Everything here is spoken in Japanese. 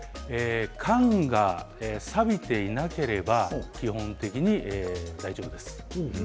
缶がさびていなければ基本的に大丈夫です。